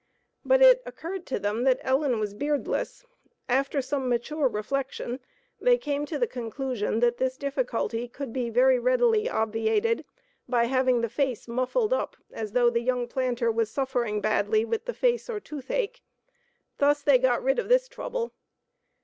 But it occurred to them that Ellen was beardless. After some mature reflection, they came to the conclusion that this difficulty could be very readily obviated by having the face muffled up as though the young planter was suffering badly with the face or toothache; thus they got rid of this trouble.